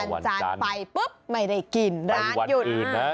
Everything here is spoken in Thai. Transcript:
วันจันทร์ไปปุ๊บไม่ได้กินร้านหยุดแต่วันอื่นนะ